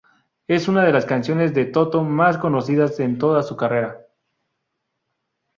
Es una de las canciones de Toto más conocidas en toda su carrera.